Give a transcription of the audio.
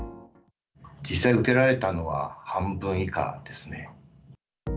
実際受けられたのは半分以下ですね。